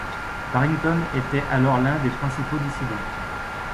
Barrington était alors l'un des principaux dissidents.